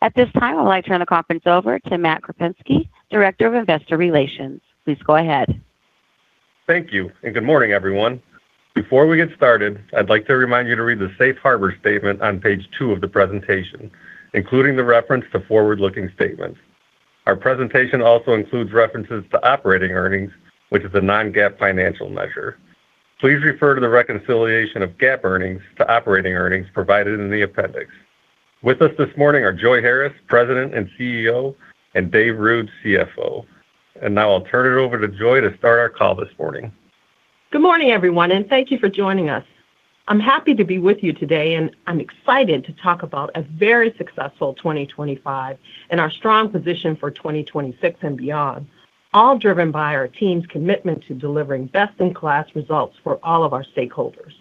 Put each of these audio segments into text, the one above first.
At this time, I'd like to turn the conference over to Matt Krupinski, Director of Investor Relations. Please go ahead. Thank you, and good morning, everyone. Before we get started, I'd like to remind you to read the safe harbor statement on page two of the presentation, including the reference to forward-looking statements. Our presentation also includes references to operating earnings, which is a non-GAAP financial measure. Please refer to the reconciliation of GAAP earnings to operating earnings provided in the appendix. With us this morning are Joi Harris, President and CEO, and Dave Ruud, CFO. Now I'll turn it over to Joi to start our call this morning. Good morning, everyone, and thank you for joining us. I'm happy to be with you today, and I'm excited to talk about a very successful 2025 and our strong position for 2026 and beyond, all driven by our team's commitment to delivering best-in-class results for all of our stakeholders.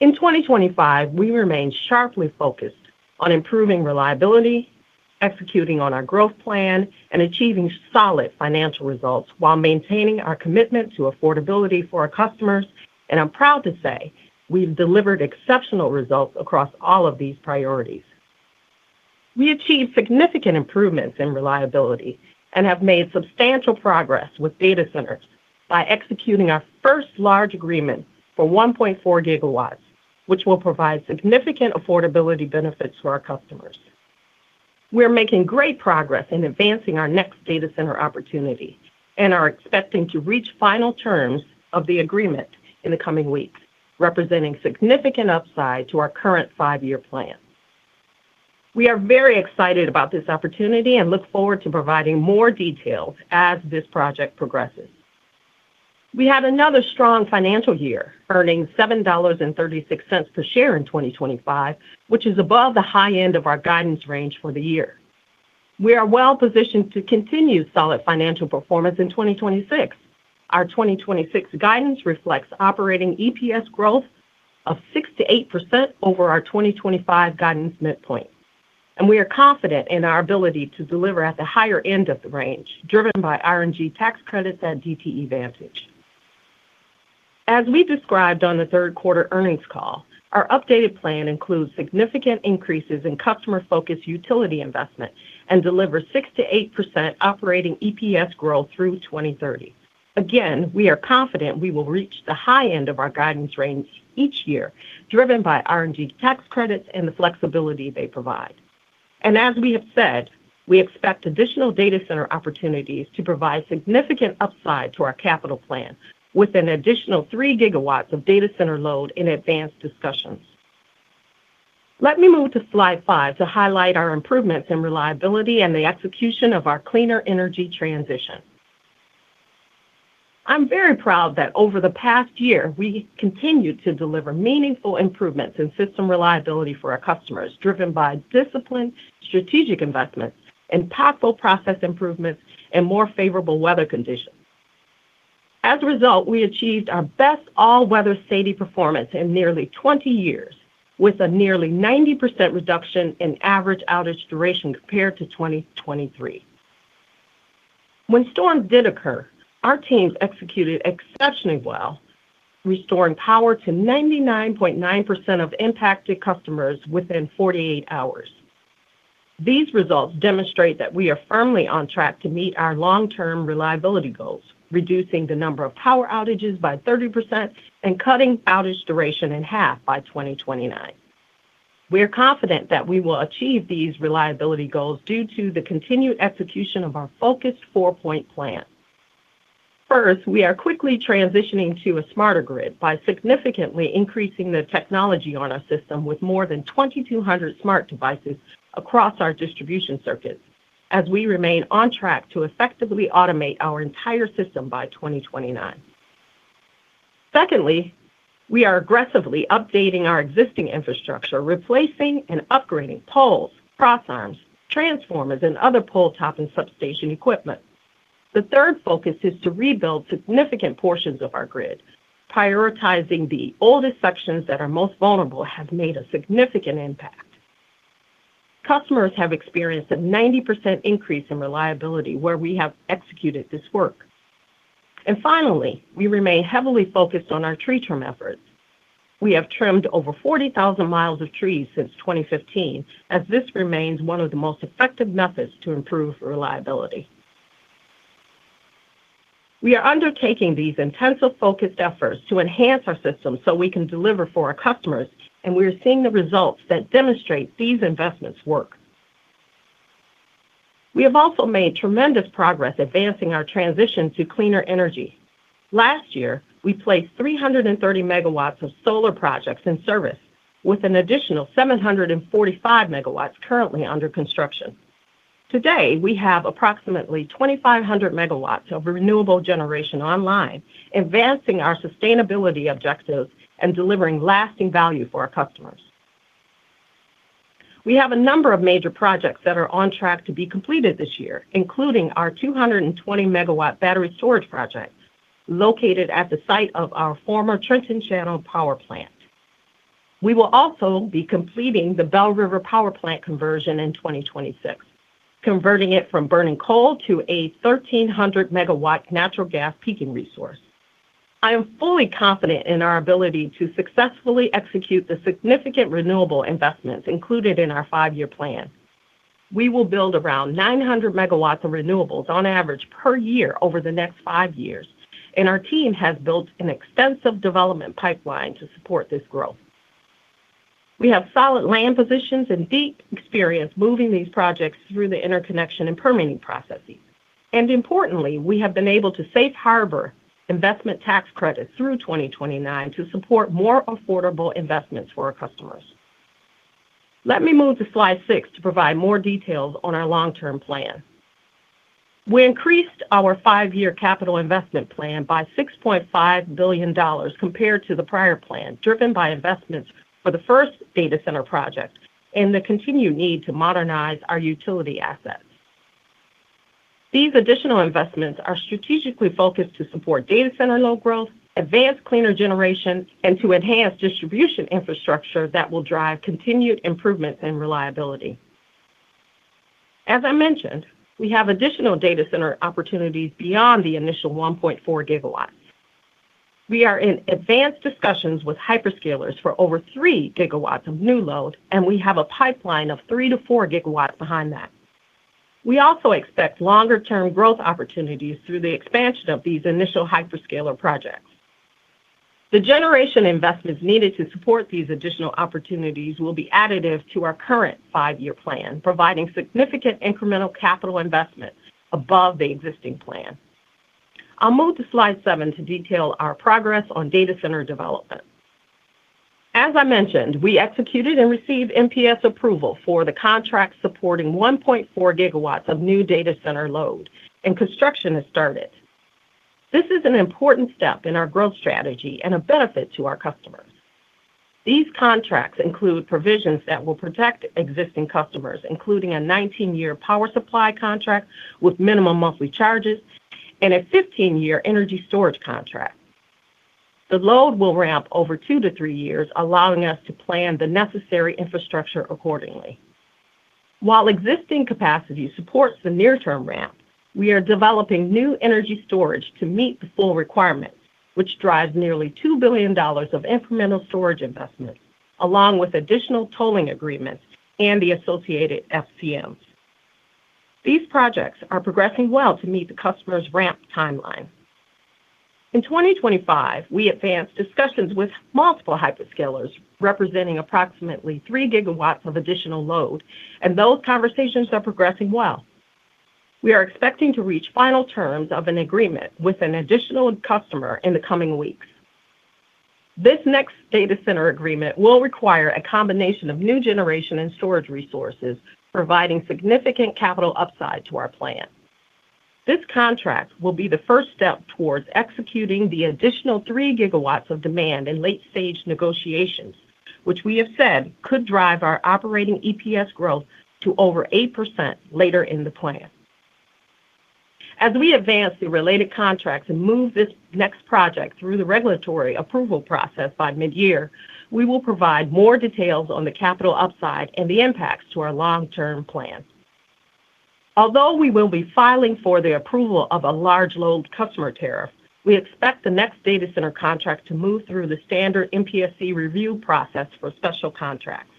In 2025, we remained sharply focused on improving reliability, executing on our growth plan, and achieving solid financial results while maintaining our commitment to affordability for our customers, and I'm proud to say we've delivered exceptional results across all of these priorities. We achieved significant improvements in reliability and have made substantial progress with data centers by executing our first large agreement for 1.4 GW, which will provide significant affordability benefits to our customers. We're making great progress in advancing our next data center opportunity and are expecting to reach final terms of the agreement in the coming weeks, representing significant upside to our current five-year plan. We are very excited about this opportunity and look forward to providing more details as this project progresses. We had another strong financial year, earning $7.36 per share in 2025, which is above the high end of our guidance range for the year. We are well positioned to continue solid financial performance in 2026. Our 2026 guidance reflects operating EPS growth of 6%-8% over our 2025 guidance midpoint, and we are confident in our ability to deliver at the higher end of the range, driven by RNG tax credits at DTE Vantage. As we described on the third quarter earnings call, our updated plan includes significant increases in customer-focused utility investment and delivers 6%-8% operating EPS growth through 2030. Again, we are confident we will reach the high end of our guidance range each year, driven by RNG tax credits and the flexibility they provide. And as we have said, we expect additional data center opportunities to provide significant upside to our capital plan, with an additional 3 GW of data center load in advanced discussions. Let me move to slide 5 to highlight our improvements in reliability and the execution of our cleaner energy transition. I'm very proud that over the past year, we continued to deliver meaningful improvements in system reliability for our customers, driven by disciplined strategic investments, impactful process improvements, and more favorable weather conditions. As a result, we achieved our best all-weather SAIDI performance in nearly 20 years, with a nearly 90% reduction in average outage duration compared to 2023. When storms did occur, our teams executed exceptionally well, restoring power to 99.9% of impacted customers within 48 hours. These results demonstrate that we are firmly on track to meet our long-term reliability goals, reducing the number of power outages by 30% and cutting outage duration in half by 2029. We are confident that we will achieve these reliability goals due to the continued execution of our focused four-point plan. First, we are quickly transitioning to a smarter grid by significantly increasing the technology on our system with more than 2,200 smart devices across our distribution circuits, as we remain on track to effectively automate our entire system by 2029. Secondly, we are aggressively updating our existing infrastructure, replacing and upgrading poles, cross arms, transformers, and other pole top and substation equipment. The third focus is to rebuild significant portions of our grid. Prioritizing the oldest sections that are most vulnerable have made a significant impact. Customers have experienced a 90% increase in reliability where we have executed this work. And finally, we remain heavily focused on our tree trim efforts. We have trimmed over 40,000 miles of trees since 2015, as this remains one of the most effective methods to improve reliability. We are undertaking these intensive, focused efforts to enhance our system so we can deliver for our customers, and we are seeing the results that demonstrate these investments work. We have also made tremendous progress advancing our transition to cleaner energy. Last year, we placed 330 MW of solar projects in service, with an additional 745 MW currently under construction. Today, we have approximately 2,500 MW of renewable generation online, advancing our sustainability objectives and delivering lasting value for our customers. We have a number of major projects that are on track to be completed this year, including our 220-MW battery storage project located at the site of our former Trenton Channel Power Plant. We will also be completing the Bell River Power Plant conversion in 2026, converting it from burning coal to a 1,300-MW natural gas peaking resource.... I am fully confident in our ability to successfully execute the significant renewable investments included in our five-year plan. We will build around 900 MW of renewables on average per year over the next five years, and our team has built an extensive development pipeline to support this growth. We have solid land positions and deep experience moving these projects through the interconnection and permitting processes. Importantly, we have been able to safe harbor investment tax credits through 2029 to support more affordable investments for our customers. Let me move to slide six to provide more details on our long-term plan. We increased our five-year capital investment plan by $6.5 billion compared to the prior plan, driven by investments for the first data center project and the continued need to modernize our utility assets. These additional investments are strategically focused to support data center load growth, advanced cleaner generation, and to enhance distribution infrastructure that will drive continued improvements and reliability. As I mentioned, we have additional data center opportunities beyond the initial 1.4 GW. We are in advanced discussions with hyperscalers for over 3 GW of new load, and we have a pipeline of 3-4 GW behind that. We also expect longer-term growth opportunities through the expansion of these initial hyperscaler projects. The generation investments needed to support these additional opportunities will be additive to our current five-year plan, providing significant incremental capital investments above the existing plan. I'll move to slide seven to detail our progress on data center development. As I mentioned, we executed and received MPS approval for the contract supporting 1.4 GW of new data center load, and construction has started. This is an important step in our growth strategy and a benefit to our customers. These contracts include provisions that will protect existing customers, including a 19-year power supply contract with minimum monthly charges and a 15-year energy storage contract. The load will ramp over two to three years, allowing us to plan the necessary infrastructure accordingly. While existing capacity supports the near-term ramp, we are developing new energy storage to meet the full requirement, which drives nearly $2 billion of incremental storage investment, along with additional tolling agreements and the associated FCMs. These projects are progressing well to meet the customer's ramp timeline. In 2025, we advanced discussions with multiple hyperscalers, representing approximately 3 GW of additional load, and those conversations are progressing well. We are expecting to reach final terms of an agreement with an additional customer in the coming weeks. This next data center agreement will require a combination of new generation and storage resources, providing significant capital upside to our plan. This contract will be the first step towards executing the additional 3 GW of demand in late-stage negotiations, which we have said could drive our operating EPS growth to over 8% later in the plan. As we advance the related contracts and move this next project through the regulatory approval process by mid-year, we will provide more details on the capital upside and the impacts to our long-term plan. Although we will be filing for the approval of a large load customer tariff, we expect the next data center contract to move through the standard MPSC review process for special contracts.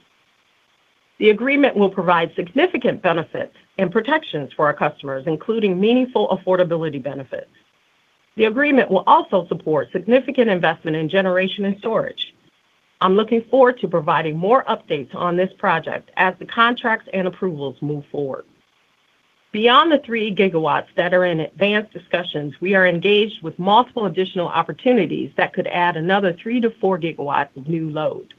The agreement will provide significant benefits and protections for our customers, including meaningful affordability benefits. The agreement will also support significant investment in generation and storage. I'm looking forward to providing more updates on this project as the contracts and approvals move forward. Beyond the 3 GW that are in advanced discussions, we are engaged with multiple additional opportunities that could add another 3-4 GW of new load,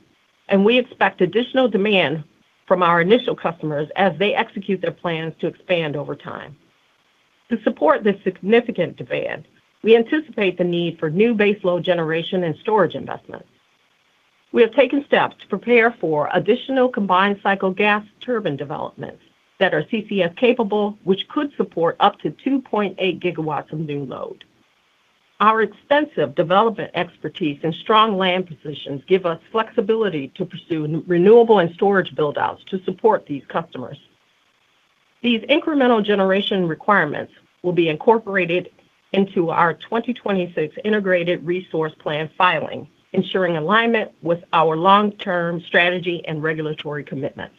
and we expect additional demand from our initial customers as they execute their plans to expand over time. To support this significant demand, we anticipate the need for new baseload generation and storage investments. We have taken steps to prepare for additional combined cycle gas turbine developments that are CCS capable, which could support up to 2.8 GW of new load. Our extensive development expertise and strong land positions give us flexibility to pursue renewable and storage build-outs to support these customers. These incremental generation requirements will be incorporated into our 2026 Integrated Resource Plan filing, ensuring alignment with our long-term strategy and regulatory commitments.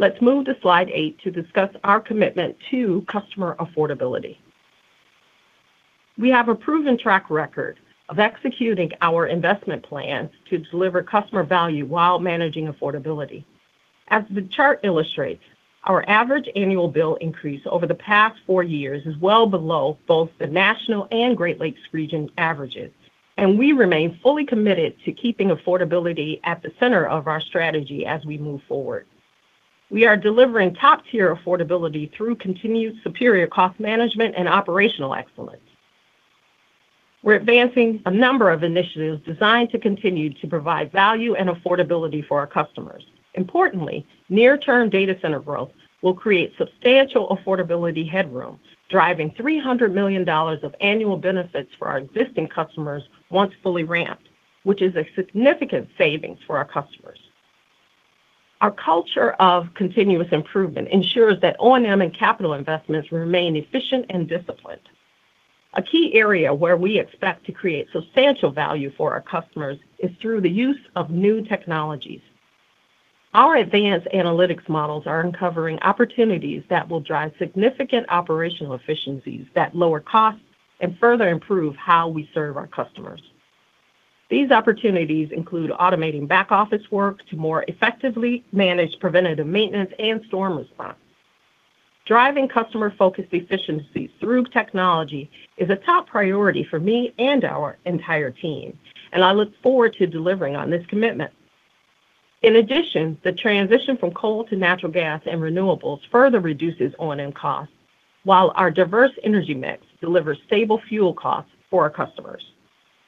Let's move to slide eight to discuss our commitment to customer affordability. We have a proven track record of executing our investment plans to deliver customer value while managing affordability. As the chart illustrates, our average annual bill increase over the past four years is well below both the national and Great Lakes Region averages, and we remain fully committed to keeping affordability at the center of our strategy as we move forward. We are delivering top-tier affordability through continued superior cost management and operational excellence. We're advancing a number of initiatives designed to continue to provide value and affordability for our customers. Importantly, near-term data center growth will create substantial affordability headroom, driving $300 million of annual benefits for our existing customers once fully ramped, which is a significant savings for our customers. Our culture of continuous improvement ensures that O&M and capital investments remain efficient and disciplined. A key area where we expect to create substantial value for our customers is through the use of new technologies. Our advanced analytics models are uncovering opportunities that will drive significant operational efficiencies, that lower costs, and further improve how we serve our customers. These opportunities include automating back-office work to more effectively manage preventative maintenance and storm response. Driving customer-focused efficiencies through technology is a top priority for me and our entire team, and I look forward to delivering on this commitment. In addition, the transition from coal to natural gas and renewables further reduces O&M costs, while our diverse energy mix delivers stable fuel costs for our customers.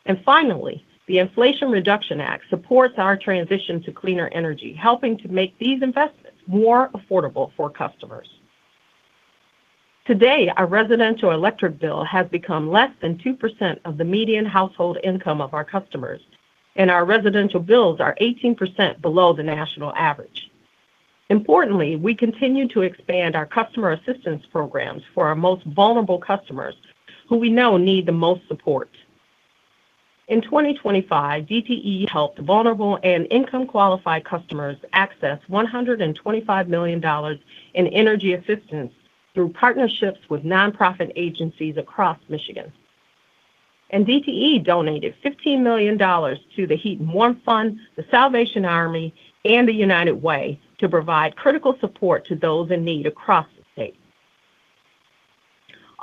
And finally, the Inflation Reduction Act supports our transition to cleaner energy, helping to make these investments more affordable for customers. Today, our residential electric bill has become less than 2% of the median household income of our customers, and our residential bills are 18% below the national average. Importantly, we continue to expand our customer assistance programs for our most vulnerable customers, who we know need the most support. In 2025, DTE helped vulnerable and income-qualified customers access $125 million in energy assistance through partnerships with nonprofit agencies across Michigan. DTE donated $15 million to the Heat and Warmth Fund, the Salvation Army, and the United Way to provide critical support to those in need across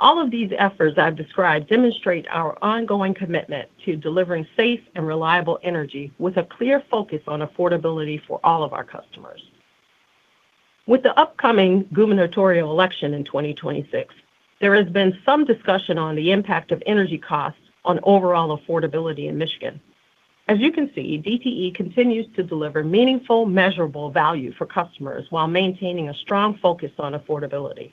the state. All of these efforts I've described demonstrate our ongoing commitment to delivering safe and reliable energy, with a clear focus on affordability for all of our customers. With the upcoming gubernatorial election in 2026, there has been some discussion on the impact of energy costs on overall affordability in Michigan. As you can see, DTE continues to deliver meaningful, measurable value for customers while maintaining a strong focus on affordability.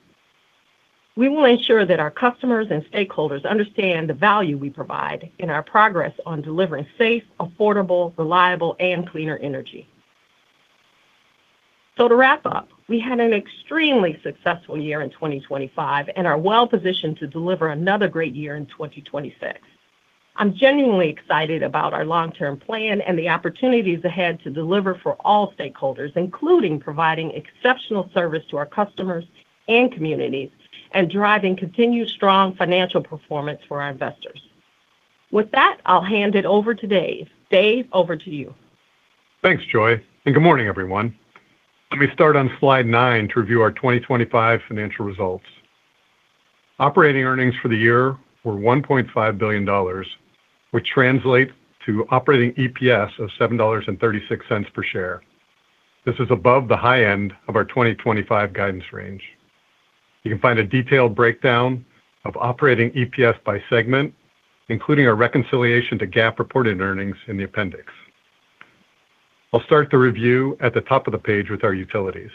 We will ensure that our customers and stakeholders understand the value we provide in our progress on delivering safe, affordable, reliable, and cleaner energy. So to wrap up, we had an extremely successful year in 2025 and are well positioned to deliver another great year in 2026. I'm genuinely excited about our long-term plan and the opportunities ahead to deliver for all stakeholders, including providing exceptional service to our customers and communities, and driving continued strong financial performance for our investors. With that, I'll hand it over to Dave. Dave, over to you. Thanks, Joi, and good morning, everyone. Let me start on slide nine to review our 2025 financial results. Operating earnings for the year were $1.5 billion, which translate to operating EPS of $7.36 per share. This is above the high end of our 2025 guidance range. You can find a detailed breakdown of operating EPS by segment, including our reconciliation to GAAP reported earnings in the appendix. I'll start the review at the top of the page with our utilities.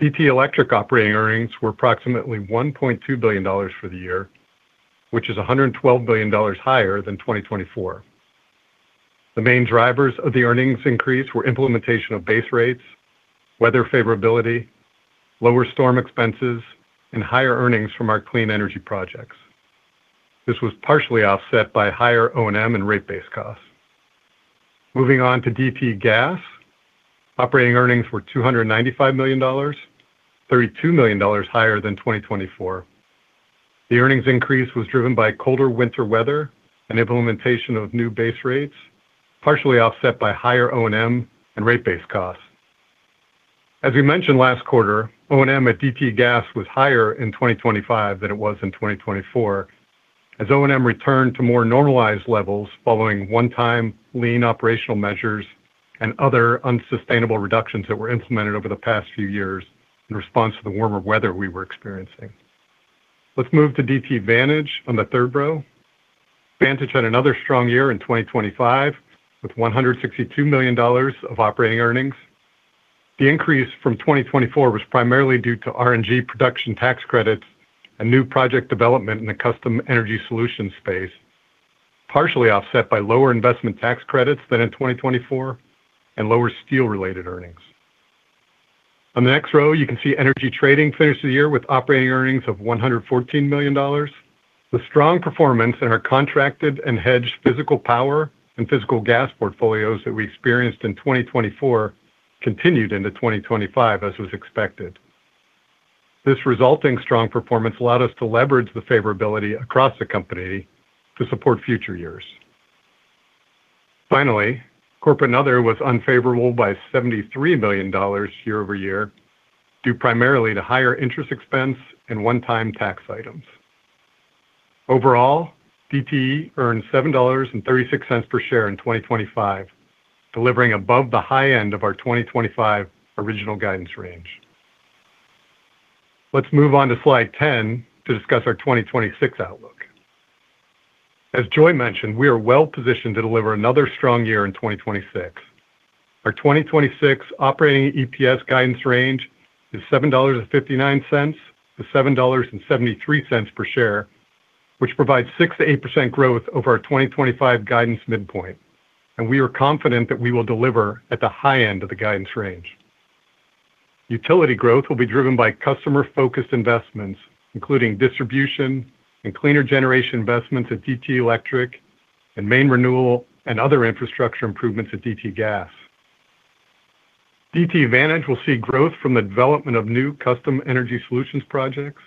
DTE Electric operating earnings were approximately $1.2 billion for the year, which is $112 billion higher than 2024. The main drivers of the earnings increase were implementation of base rates, weather favorability, lower storm expenses, and higher earnings from our clean energy projects. This was partially offset by higher O&M and rate base costs. Moving on to DTE Gas. Operating earnings were $295 million, $32 million higher than 2024. The earnings increase was driven by colder winter weather and implementation of new base rates, partially offset by higher O&M and rate base costs. As we mentioned last quarter, O&M at DTE Gas was higher in 2025 than it was in 2024, as O&M returned to more normalized levels following one-time lean operational measures and other unsustainable reductions that were implemented over the past few years in response to the warmer weather we were experiencing. Let's move to DTE Vantage on the third row. Vantage had another strong year in 2025, with $162 million of operating earnings. The increase from 2024 was primarily due to RNG production tax credits and new project development in the custom energy solution space, partially offset by lower investment tax credits than in 2024 and lower steel-related earnings. On the next row, you can see energy trading finished the year with operating earnings of $114 million. The strong performance in our contracted and hedged physical power and physical gas portfolios that we experienced in 2024 continued into 2025, as was expected. This resulting strong performance allowed us to leverage the favorability across the company to support future years. Finally, Corporate and Other was unfavorable by $73 million year over year, due primarily to higher interest expense and one-time tax items. Overall, DTE earned $7.36 per share in 2025, delivering above the high end of our 2025 original guidance range. Let's move on to slide 10 to discuss our 2026 outlook. As Joi mentioned, we are well positioned to deliver another strong year in 2026. Our 2026 operating EPS guidance range is $7.59-$7.73 per share, which provides 6%-8% growth over our 2025 guidance midpoint, and we are confident that we will deliver at the high end of the guidance range. Utility growth will be driven by customer-focused investments, including distribution and cleaner generation investments at DTE Electric, and main renewal and other infrastructure improvements at DTE Gas. DTE Vantage will see growth from the development of new custom energy solutions projects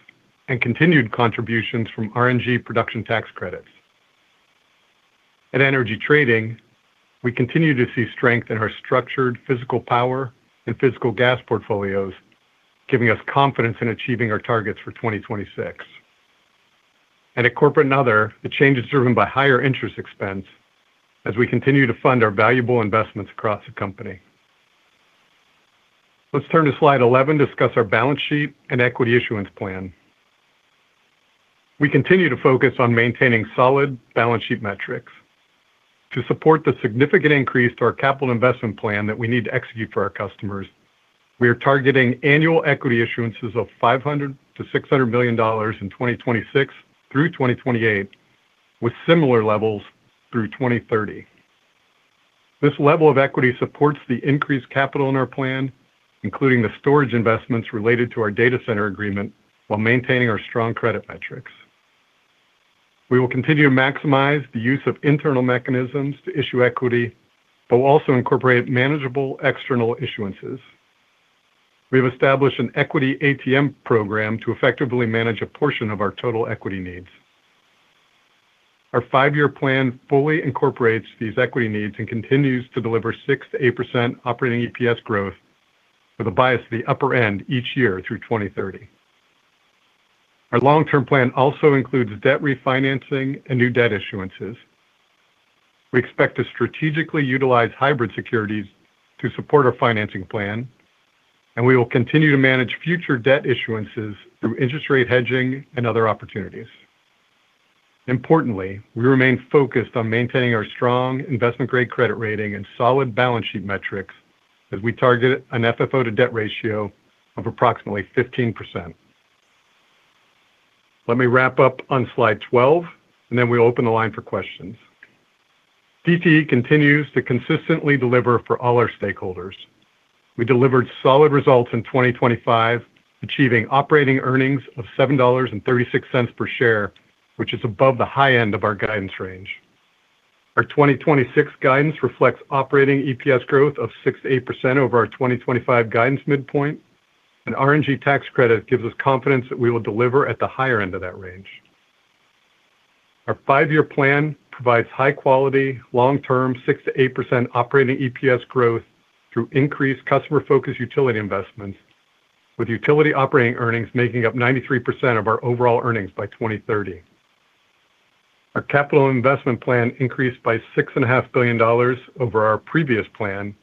and continued contributions from RNG production tax credits. At Energy Trading, we continue to see strength in our structured physical power and physical gas portfolios, giving us confidence in achieving our targets for 2026. At Corporate and Other, the change is driven by higher interest expense as we continue to fund our valuable investments across the company. Let's turn to slide 11, discuss our balance sheet and equity issuance plan. We continue to focus on maintaining solid balance sheet metrics. To support the significant increase to our capital investment plan that we need to execute for our customers, we are targeting annual equity issuances of $500 million-$600 million in 2026 through 2028, with similar levels through 2030. This level of equity supports the increased capital in our plan, including the storage investments related to our data center agreement, while maintaining our strong credit metrics. We will continue to maximize the use of internal mechanisms to issue equity, but we'll also incorporate manageable external issuances. We have established an equity ATM program to effectively manage a portion of our total equity needs. Our five-year plan fully incorporates these equity needs and continues to deliver 6%-8% operating EPS growth with a bias at the upper end each year through 2030. Our long-term plan also includes debt refinancing and new debt issuances. We expect to strategically utilize hybrid securities to support our financing plan, and we will continue to manage future debt issuances through interest rate hedging and other opportunities. Importantly, we remain focused on maintaining our strong investment-grade credit rating and solid balance sheet metrics as we target an FFO to debt ratio of approximately 15%. Let me wrap up on slide 12, and then we'll open the line for questions. DTE continues to consistently deliver for all our stakeholders. We delivered solid results in 2025, achieving operating earnings of $7.36 per share, which is above the high end of our guidance range. Our 2026 guidance reflects operating EPS growth of 6%-8% over our 2025 guidance midpoint, and RNG tax credit gives us confidence that we will deliver at the higher end of that range. Our five-year plan provides high quality, long-term, 6%-8% operating EPS growth through increased customer-focused utility investments, with utility operating earnings making up 93% of our overall earnings by 2030. Our capital investment plan increased by $6.5 billion over our previous plan,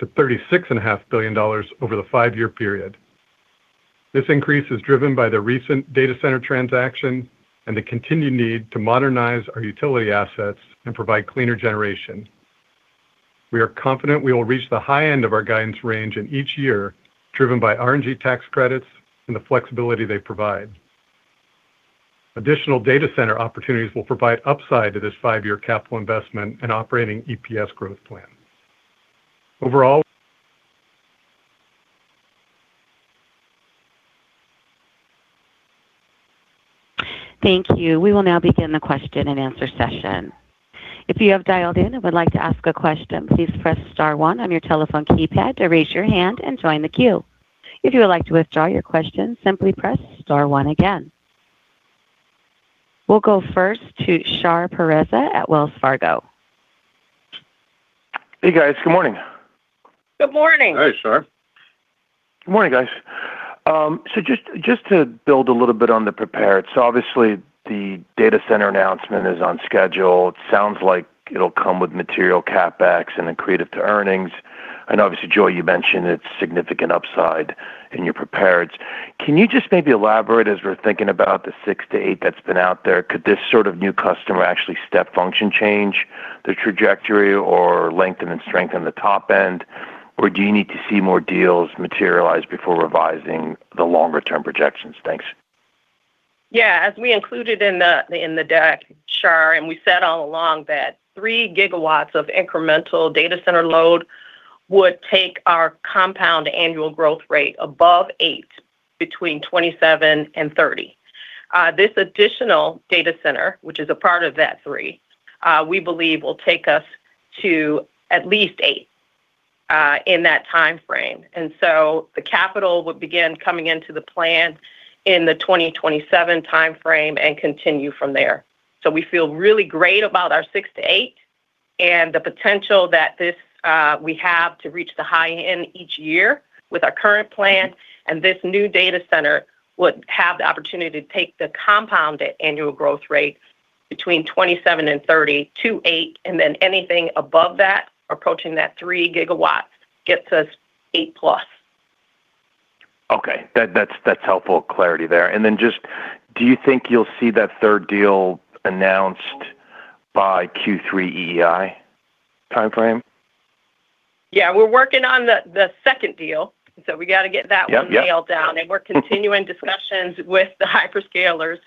to $36.5 billion over the five-year period. This increase is driven by the recent data center transaction and the continued need to modernize our utility assets and provide cleaner generation. We are confident we will reach the high end of our guidance range in each year, driven by RNG tax credits and the flexibility they provide. Additional data center opportunities will provide upside to this five-year capital investment and operating EPS growth plan. Overall. Thank you. We will now begin the question-and-answer session. If you have dialed in and would like to ask a question, please press star one on your telephone keypad to raise your hand and join the queue. If you would like to withdraw your question, simply press star one again. We'll go first to Shar Pourreza at Wells Fargo. Hey, guys. Good morning. Good morning. Hi, Shar. Good morning, guys. So just, just to build a little bit on the prepared, so obviously the data center announcement is on schedule. It sounds like it'll come with material CapEx and accretive to earnings. And obviously, Joi, you mentioned it's significant upside in your prepared. Can you just maybe elaborate as we're thinking about the 6%-8% that's been out there, could this sort of new customer actually step function, change the trajectory or lengthen and strengthen the top end? Or do you need to see more deals materialize before revising the longer-term projections? Thanks. Yeah, as we included in the deck, Shar, and we said all along that 3 GW of incremental data center load would take our compound annual growth rate above 8% between 2027 and 2030. This additional data center, which is a part of that three, we believe will take us to at least 8% in that timeframe. And so the capital would begin coming into the plan in the 2027 timeframe and continue from there. So we feel really great about our 6%-8% and the potential that this, we have to reach the high end each year with our current plan, and this new data center would have the opportunity to take the compound annual growth rate between 2027 and 2030 to 8%, and then anything above that, approaching that 3 GW, gets us 8%+. Okay, that's helpful clarity there. And then just, do you think you'll see that third deal announced by Q3 EEI timeframe? Yeah, we're working on the second deal, so we got to get that one nailed down. Yep, yep. We're continuing discussions with the hyperscalers,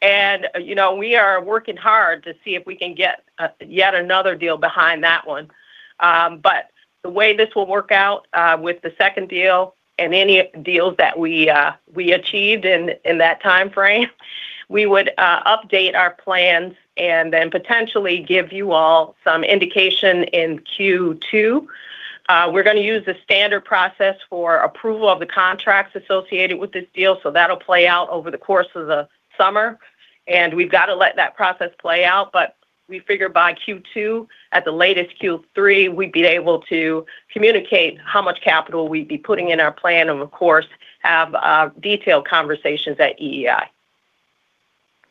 and, you know, we are working hard to see if we can get yet another deal behind that one. But the way this will work out with the second deal and any deals that we achieved in that time frame, we would update our plans and then potentially give you all some indication in Q2. We're going to use the standard process for approval of the contracts associated with this deal, so that'll play out over the course of the summer, and we've got to let that process play out. But we figure by Q2, at the latest, Q3, we'd be able to communicate how much capital we'd be putting in our plan and, of course, have detailed conversations at EEI.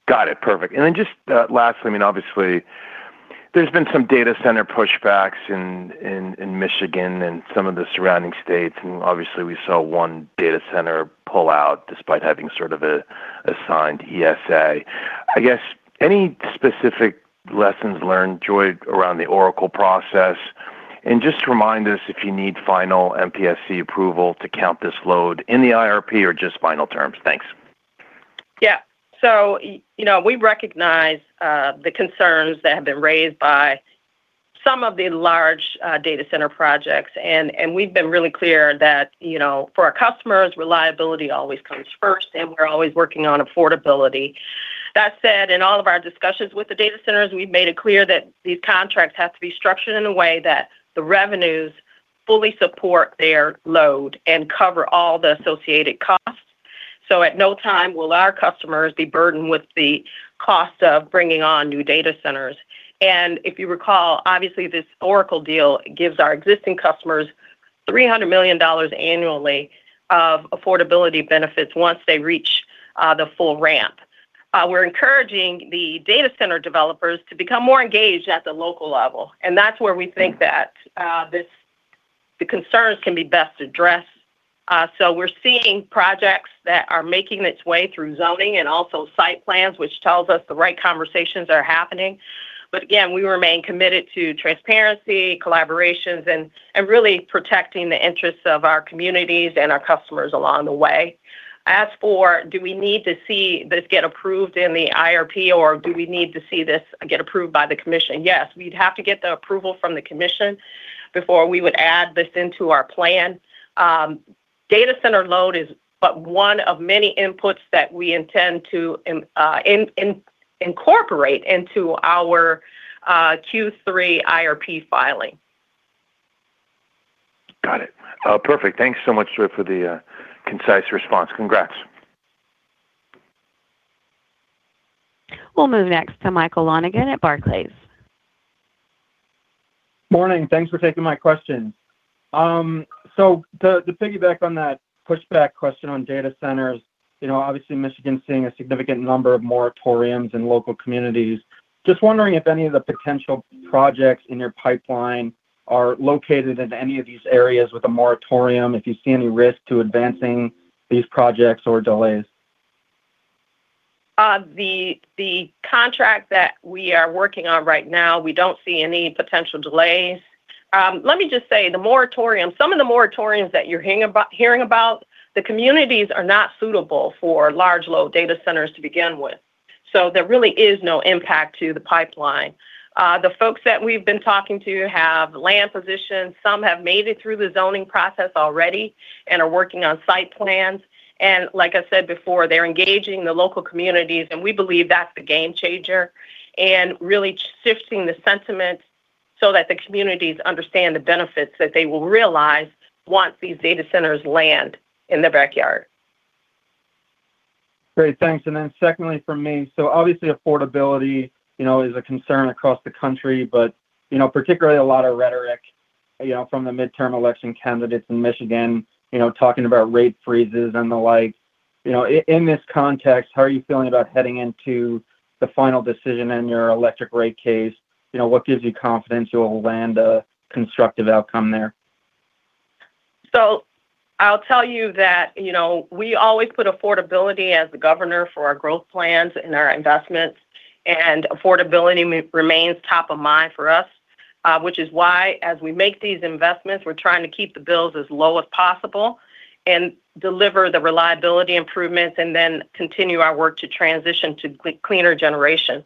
Got it. Perfect. And then just, lastly, I mean, obviously there's been some data center pushbacks in Michigan and some of the surrounding states, and obviously we saw one data center pull out despite having sort of an assigned ESA. I guess, any specific lessons learned, Joi, around the Oracle process? And just remind us if you need final MPSC approval to count this load in the IRP or just final terms. Thanks. Yeah. So, you know, we recognize the concerns that have been raised by some of the large data center projects, and we've been really clear that, you know, for our customers, reliability always comes first, and we're always working on affordability. That said, in all of our discussions with the data centers, we've made it clear that these contracts have to be structured in a way that the revenues fully support their load and cover all the associated costs. So at no time will our customers be burdened with the cost of bringing on new data centers. And if you recall, obviously, this Oracle deal gives our existing customers $300 million annually of affordability benefits once they reach the full ramp. We're encouraging the data center developers to become more engaged at the local level, and that's where we think that, this, the concerns can be best addressed. So we're seeing projects that are making its way through zoning and also site plans, which tells us the right conversations are happening. But again, we remain committed to transparency, collaborations, and really protecting the interests of our communities and our customers along the way. As for, do we need to see this get approved in the IRP, or do we need to see this get approved by the commission? Yes, we'd have to get the approval from the commission before we would add this into our plan. Data center load is but one of many inputs that we intend to incorporate into our Q3 IRP filing. Got it. Perfect. Thank you so much, Joi, for the concise response. Congrats. We'll move next to Michael Lonegan at Barclays. Morning. Thanks for taking my question. So to piggyback on that pushback question on data centers, you know, obviously, Michigan is seeing a significant number of moratoriums in local communities. Just wondering if any of the potential projects in your pipeline are located in any of these areas with a moratorium, if you see any risk to advancing these projects or delays? The contract that we are working on right now, we don't see any potential delays. Let me just say, the moratorium, some of the moratoriums that you're hearing about, the communities are not suitable for large load data centers to begin with. So there really is no impact to the pipeline. The folks that we've been talking to have land positions. Some have made it through the zoning process already and are working on site plans, and like I said before, they're engaging the local communities, and we believe that's the game changer, and really shifting the sentiment so that the communities understand the benefits that they will realize once these data centers land in their backyard. Great, thanks. And then secondly, for me, so obviously affordability, you know, is a concern across the country, but, you know, particularly a lot of rhetoric, you know, from the midterm election candidates in Michigan, you know, talking about rate freezes and the like. You know, in this context, how are you feeling about heading into the final decision in your electric rate case? You know, what gives you confidence you will land a constructive outcome there? So I'll tell you that, you know, we always put affordability as the governor for our growth plans and our investments, and affordability remains top of mind for us, which is why, as we make these investments, we're trying to keep the bills as low as possible and deliver the reliability improvements and then continue our work to transition to cleaner generation.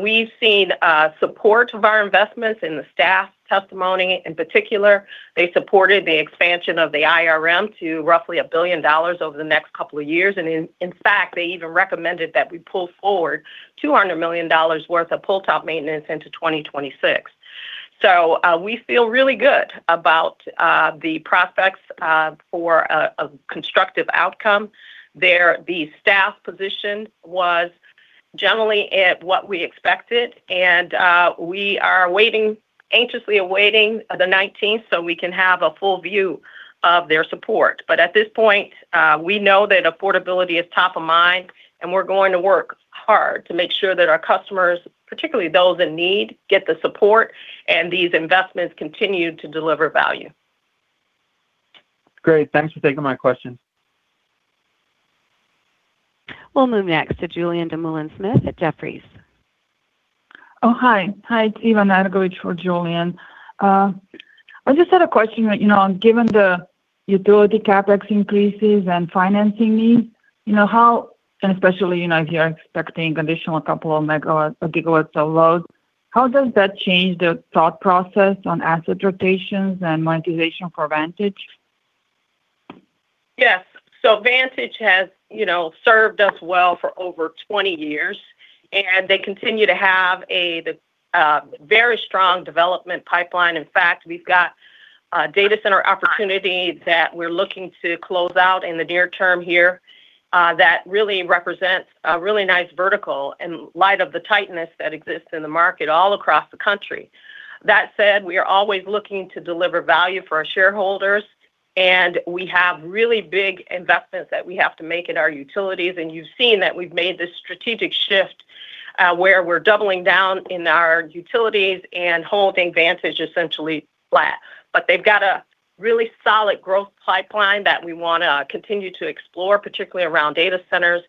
We've seen support of our investments in the staff testimony. In particular, they supported the expansion of the IRM to roughly $1 billion over the next couple of years. And in fact, they even recommended that we pull forward $200 million worth of pole top maintenance into 2026. We feel really good about the prospects for a constructive outcome. There, the staff position was generally at what we expected, and, we are waiting, anxiously awaiting the nineteenth, so we can have a full view of their support. But at this point, we know that affordability is top of mind, and we're going to work hard to make sure that our customers, particularly those in need, get the support, and these investments continue to deliver value. Great. Thanks for taking my question. We'll move next to Julien Dumoulin-Smith at Jefferies. Oh, hi. Hi, it's Eva Nagovich for Julien. I just had a question that, you know, given the utility CapEx increases and financing needs, you know, how—and especially, you know, if you're expecting additional couple of megawatts or gigawatts of load, how does that change the thought process on asset rotations and monetization for Vantage? Yes. So Vantage has, you know, served us well for over 20 years, and they continue to have a very strong development pipeline. In fact, we've got a data center opportunity that we're looking to close out in the near term here, that really represents a really nice vertical in light of the tightness that exists in the market all across the country. That said, we are always looking to deliver value for our shareholders, and we have really big investments that we have to make in our utilities, and you've seen that we've made this strategic shift, where we're doubling down in our utilities and holding Vantage essentially flat. But they've got a really solid growth pipeline that we wanna continue to explore, particularly around data centers.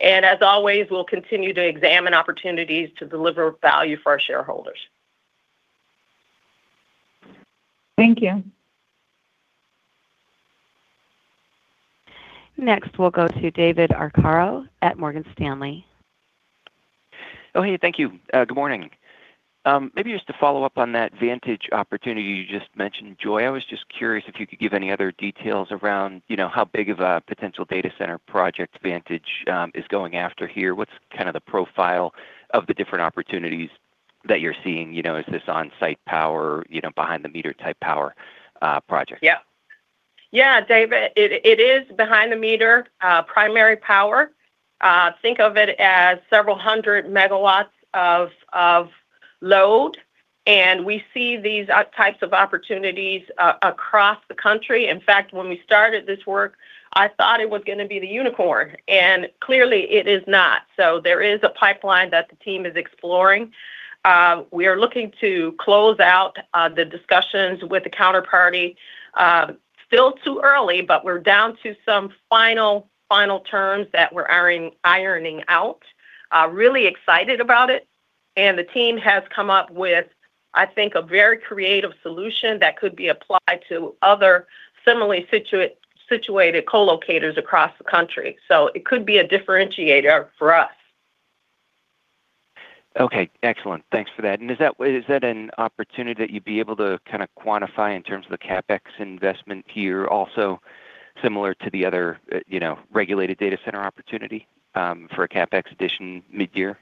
And as always, we'll continue to examine opportunities to deliver value for our shareholders. Thank you. Next, we'll go to David Arcaro at Morgan Stanley. Oh, hey, thank you. Good morning. Maybe just to follow up on that Vantage opportunity you just mentioned, Joi. I was just curious if you could give any other details around, you know, how big of a potential data center project Vantage is going after here. What's kind of the profile of the different opportunities that you're seeing, you know, is this on-site power, you know, behind the meter-type power project? Yeah. Yeah, David, it is behind the meter, primary power. Think of it as several hundred megawatts of load, and we see these types of opportunities across the country. In fact, when we started this work, I thought it was gonna be the unicorn, and clearly it is not. So there is a pipeline that the team is exploring. We are looking to close out the discussions with the counterparty. Still too early, but we're down to some final terms that we're ironing out. Really excited about it, and the team has come up with, I think, a very creative solution that could be applied to other similarly situated co-locators across the country. So it could be a differentiator for us. Okay, excellent. Thanks for that. Is that, is that an opportunity that you'd be able to kinda quantify in terms of the CapEx investment here, also similar to the other, you know, regulated data center opportunity, for a CapEx addition mid-year?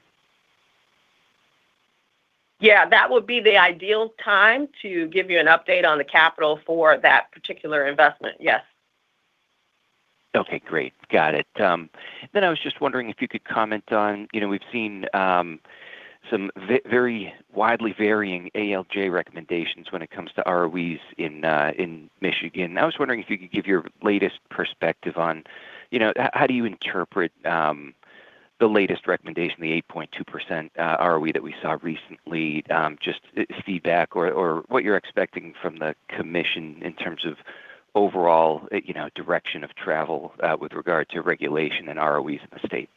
Yeah, that would be the ideal time to give you an update on the capital for that particular investment. Yes. Okay, great. Got it. Then I was just wondering if you could comment on, you know, we've seen some very widely varying ALJ recommendations when it comes to ROEs in Michigan. I was wondering if you could give your latest perspective on, you know, how do you interpret the latest recommendation, the 8.2% ROE that we saw recently? Just feedback or what you're expecting from the commission in terms of overall, you know, direction of travel with regard to regulation and ROEs in the state.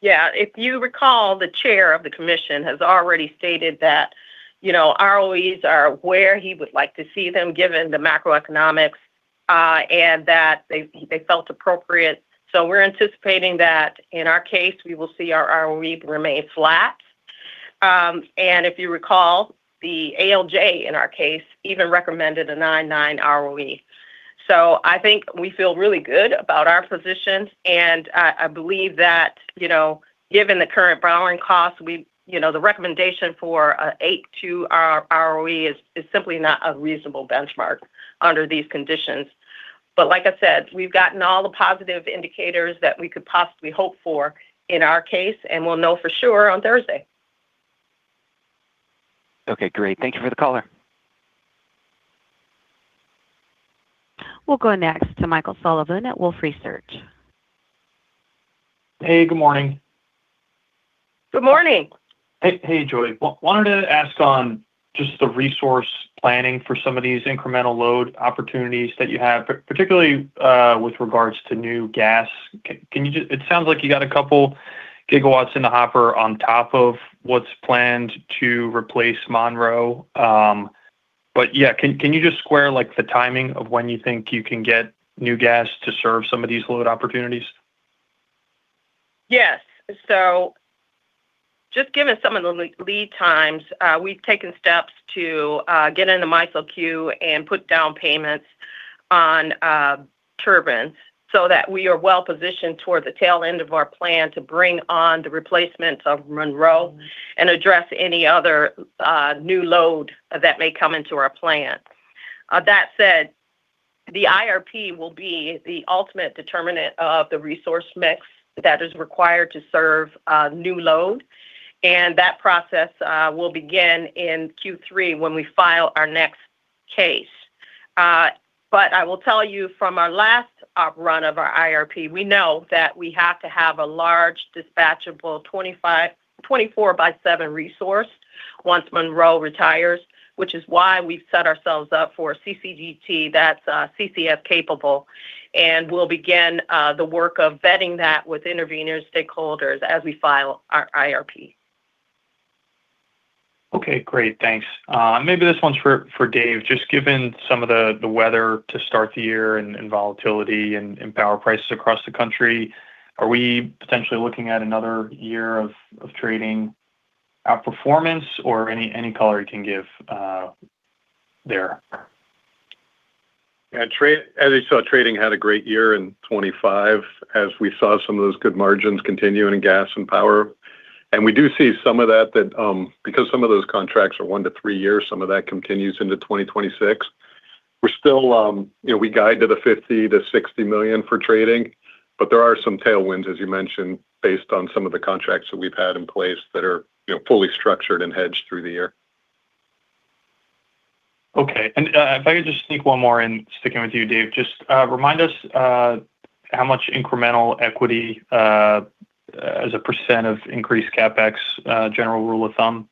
Yeah. If you recall, the chair of the commission has already stated that, you know, ROEs are where he would like to see them, given the macroeconomics, and that they felt appropriate. So we're anticipating that in our case, we will see our ROE remain flat. And if you recall, the ALJ in our case even recommended a 9.9 ROE. So I think we feel really good about our position, and I believe that, you know, given the current borrowing costs, we, you know, the recommendation for a 8.2 ROE is simply not a reasonable benchmark under these conditions. But like I said, we've gotten all the positive indicators that we could possibly hope for in our case, and we'll know for sure on Thursday. Okay, great. Thank you for the call, though. We'll go next to Michael Sullivan at Wolfe Research. Hey, good morning. Good morning! Hey, hey, Joi. Wanted to ask on just the resource planning for some of these incremental load opportunities that you have, particularly, with regards to new gas. Can you just-- It sounds like you got a couple gigawatts in the hopper on top of what's planned to replace Monroe. But yeah, can you just square, like, the timing of when you think you can get new gas to serve some of these load opportunities? Yes. So just given some of the lead times, we've taken steps to get into MISO queue and put down payments on turbine so that we are well positioned toward the tail end of our plan to bring on the replacements of Monroe and address any other new load that may come into our plant. That said, the IRP will be the ultimate determinant of the resource mix that is required to serve new load, and that process will begin in Q3 when we file our next case. But I will tell you from our last op run of our IRP, we know that we have to have a large dispatchable 25, 24 by seven resource. Once Monroe retires, which is why we've set ourselves up for CCGT, that's CCS capable, and we'll begin the work of vetting that with interveners, stakeholders, as we file our IRP. Okay, great. Thanks. Maybe this one's for Dave. Just given some of the weather to start the year, and volatility and power prices across the country, are we potentially looking at another year of trading outperformance or any color you can give there? Yeah, as you saw, trading had a great year in 25, as we saw some of those good margins continue in gas and power. We do see some of that because some of those contracts are one to three years, some of that continues into 2026. We're still, you know, we guide to the $50 million-$60 million for trading, but there are some tailwinds, as you mentioned, based on some of the contracts that we've had in place that are, you know, fully structured and hedged through the year. Okay. If I could just sneak one more in, sticking with you, Dave, just remind us how much incremental equity as a percent of increased CapEx, general rule of thumb?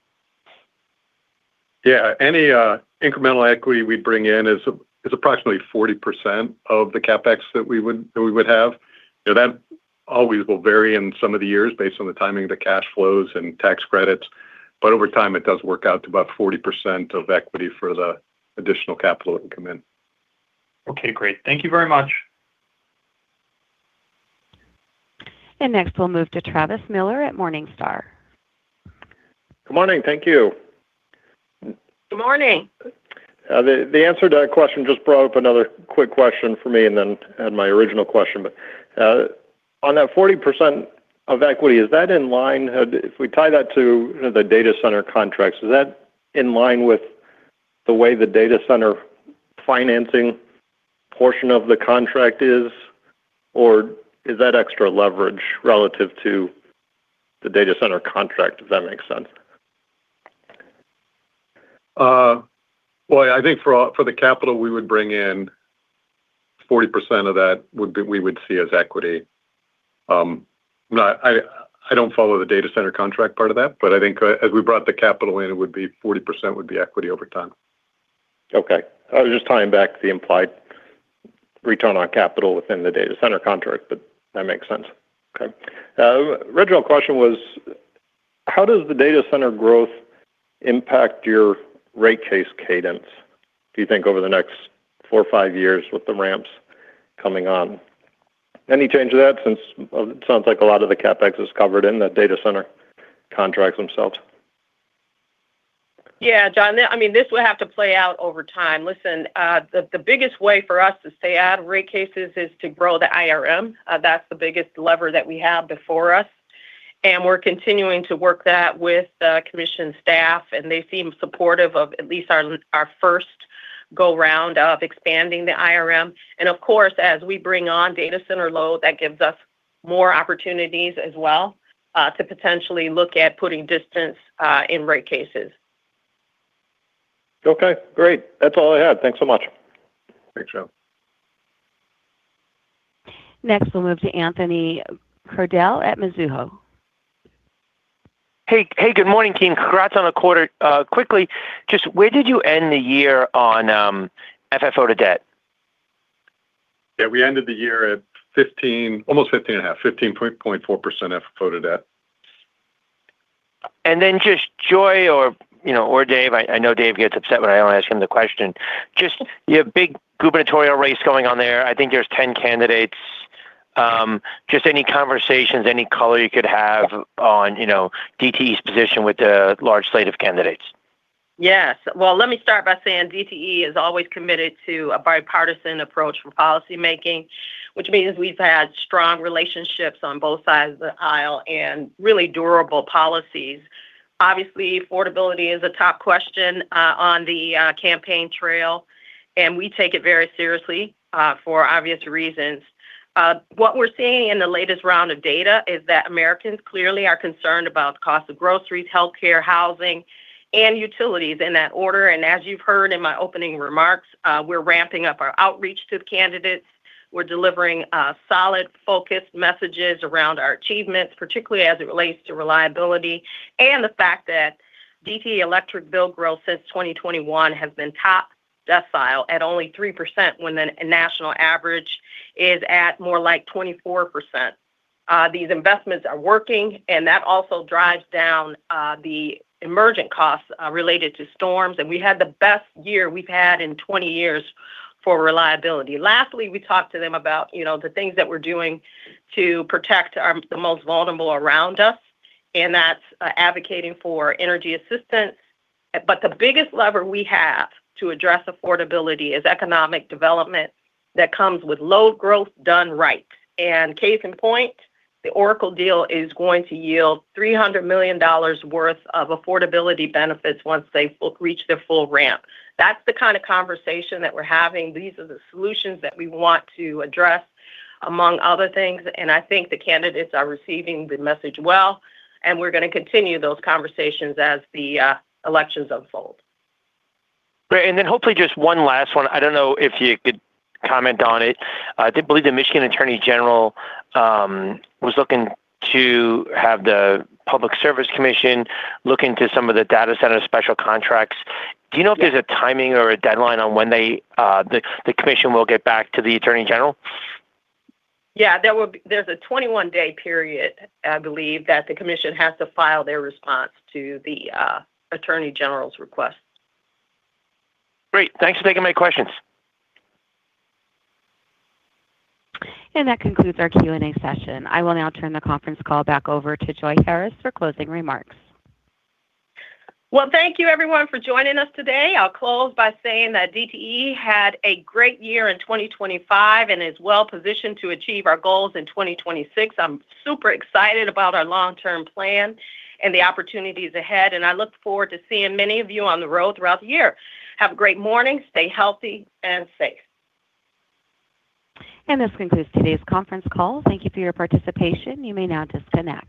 Yeah. Any incremental equity we bring in is approximately 40% of the CapEx that we would have. You know, that always will vary in some of the years based on the timing of the cash flows and tax credits, but over time, it does work out to about 40% of equity for the additional capital that will come in. Okay, great. Thank you very much. Next, we'll move to Travis Miller at Morningstar. Good morning. Thank you. Good morning. The answer to that question just brought up another quick question for me, and then I had my original question. But on that 40% of equity, is that in line... If we tie that to the data center contracts, is that in line with the way the data center financing portion of the contract is, or is that extra leverage relative to the data center contract? Does that make sense? Well, I think for the capital, we would bring in 40% of that, would be—we would see as equity. No, I don't follow the data center contract part of that, but I think as we brought the capital in, it would be 40% would be equity over time. Okay. I was just tying back the implied return on capital within the data center contract, but that makes sense. Okay. Original question was: how does the data center growth impact your rate case cadence, do you think, over the next four or five years with the ramps coming on? Any change to that, since it sounds like a lot of the CapEx is covered in the data center contracts themselves? Yeah, John. I mean, this will have to play out over time. Listen, the biggest way for us to stay out of rate cases is to grow the IRM. That's the biggest lever that we have before us, and we're continuing to work that with the commission staff, and they seem supportive of at least our first go-round of expanding the IRM. And of course, as we bring on data center load, that gives us more opportunities as well, to potentially look at putting distance in rate cases. Okay, great. That's all I had. Thanks so much. Thanks, Travis. Next, we'll move to Anthony Crowdell at Mizuho. Hey, hey, good morning, team. Congrats on the quarter. Quickly, just where did you end the year on, FFO to debt? Yeah, we ended the year at 15%, almost 15.5%, 15.4% FFO to debt. And then just Joi or, you know, or Dave, I, I know Dave gets upset when I only ask him the question. Just you have a big gubernatorial race going on there. I think there's 10 candidates. Just any conversations, any color you could have on, you know, DTE's position with the large slate of candidates? Yes. Well, let me start by saying DTE is always committed to a bipartisan approach for policymaking, which means we've had strong relationships on both sides of the aisle and really durable policies. Obviously, affordability is a top question on the campaign trail, and we take it very seriously for obvious reasons. What we're seeing in the latest round of data is that Americans clearly are concerned about the cost of groceries, healthcare, housing, and utilities in that order. And as you've heard in my opening remarks, we're ramping up our outreach to the candidates. We're delivering solid, focused messages around our achievements, particularly as it relates to reliability and the fact that DTE Electric bill growth since 2021 has been top decile at only 3%, when the national average is at more like 24%. These investments are working, and that also drives down the emergent costs related to storms, and we had the best year we've had in 20 years for reliability. Lastly, we talked to them about, you know, the things that we're doing to protect our, the most vulnerable around us, and that's advocating for energy assistance. But the biggest lever we have to address affordability is economic development that comes with load growth done right. And case in point, the Oracle deal is going to yield $300 million worth of affordability benefits once they reach their full ramp. That's the kind of conversation that we're having. These are the solutions that we want to address, among other things, and I think the candidates are receiving the message well, and we're going to continue those conversations as the elections unfold. Great. And then hopefully, just one last one. I don't know if you could comment on it. I do believe the Michigan Attorney General was looking to have the Public Service Commission look into some of the data center special contracts. Yes. Do you know if there's a timing or a deadline on when they, the commission will get back to the attorney general? Yeah, there will be a 21-day period, I believe, that the commission has to file their response to the attorney general's request. Great. Thanks for taking my questions. That concludes our Q&A session. I will now turn the conference call back over to Joi Harris for closing remarks. Well, thank you everyone for joining us today. I'll close by saying that DTE had a great year in 2025 and is well positioned to achieve our goals in 2026. I'm super excited about our long-term plan and the opportunities ahead, and I look forward to seeing many of you on the road throughout the year. Have a great morning. Stay healthy and safe. This concludes today's conference call. Thank you for your participation. You may now disconnect.